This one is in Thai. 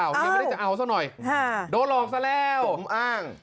อ้าวเฮียไม่ได้จะเอาซะหน่อยฮ่าโดดลองซะแล้วสมอ้าง